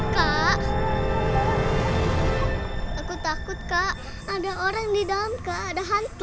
kak aku takut kak ada orang di dalam keadaan hantu